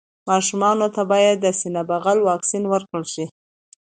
ماشومانو ته باید د سینه بغل واکسين ورکړل شي.